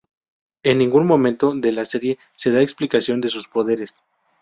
En ningún momento de la serie se da explicación de sus poderes.